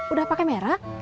udah pake merah